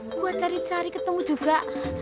buat cari cari ketemu juga